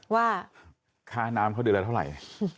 ว่าค่าน้ำเขาได้แล้วเท่าไหร่